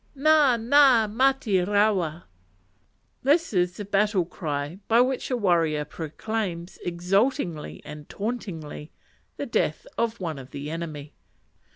Na! mate rawa!_ This is the battle cry by which a warrior proclaims, exultingly and tauntingly, the death of one of the enemy.